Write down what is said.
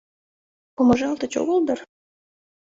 — Помыжалтыч огыл дыр?